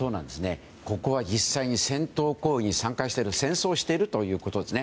ここは実際に戦闘行為に参加している戦争をしているということです。